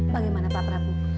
bagaimana pak prabu